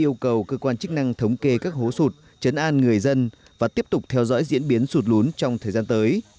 yêu cầu cơ quan chức năng thống kê các hố sụt chấn an người dân và tiếp tục theo dõi diễn biến sụt lún trong thời gian tới